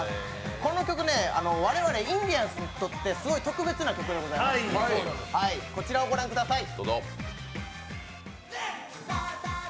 この曲、我々インディアンスにとってすごい特別な曲でございまして、こちらをご覧ください。